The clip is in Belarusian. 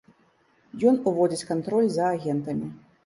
Ён уводзіць кантроль за агентамі.